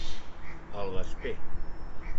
El vesper.